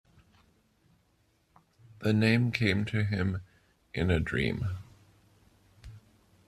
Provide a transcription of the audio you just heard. The name came to him in a dream.